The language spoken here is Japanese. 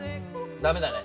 ダメだね。